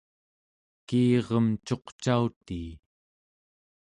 kiirem cuqcautii